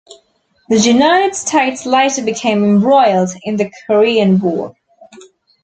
The United States later became embroiled in the Korean War.